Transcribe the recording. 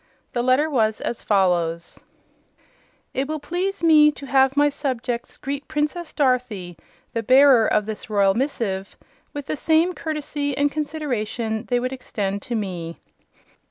The letter was as follows: "It will please me to have my subjects greet Princess Dorothy, the bearer of this royal missive, with the same courtesy and consideration they would extend to me."